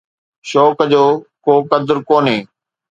شوق جو ڪو قدر ڪونهي